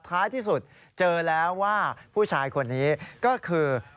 ท้ายที่สุดเจอแล้วว่าผู้ชายคนนี้ก็คือ